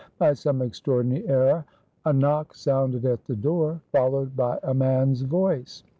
By some extraordinary error" A knock sounded at the door, followed by a man's voice.